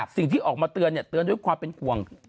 สิ่งที่ออกมาเตือนเตือนด้วยความเป็นห่วง